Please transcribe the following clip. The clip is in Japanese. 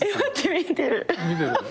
見てる。